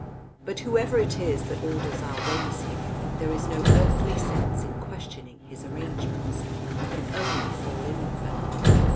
... "But whoever it is that orders our ways here, there is no earthly sense in questioning His arrangements, we can only fall in with them.